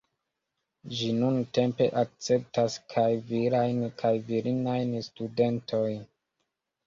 Ĝi nuntempe akceptas kaj virajn kaj virinajn studentojn.